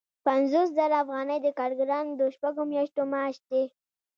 پنځوس زره افغانۍ د کارګرانو د شپږو میاشتو معاش دی